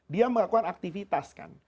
dia melakukan aktivitas kan